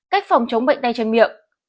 cách phòng chống bệnh tay chân miệng